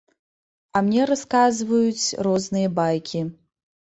А мне расказваюць розныя байкі.